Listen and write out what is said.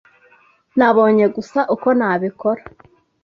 Nabonye gusa uko nabikora.